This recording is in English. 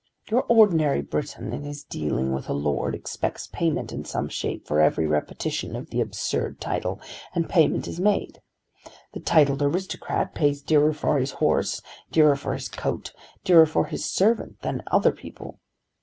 Your ordinary Briton in his dealing with a lord expects payment in some shape for every repetition of the absurd title; and payment is made. The titled aristocrat pays dearer for his horse, dearer for his coat, dearer for his servant than other people.